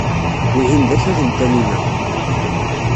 Wihin d akal n Taninna.